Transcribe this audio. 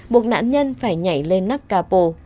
buộc nạn nhân phải nhảy lên nắp capo